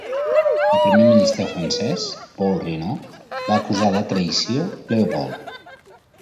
El primer ministre francès, Paul Reynaud, va acusar de traïció a Leopold.